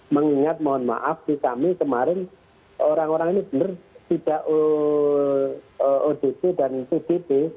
mengingat mohon maaf di kami kemarin orang orang ini benar tidak odp dan odp